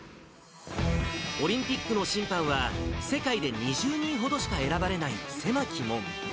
オリンピックの審判は世界で２０人ほどしか選ばれない狭き門。